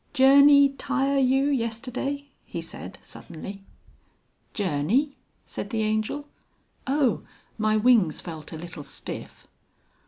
"Journey tire you yesterday?" he said suddenly. "Journey!" said the Angel. "Oh! my wings felt a little stiff."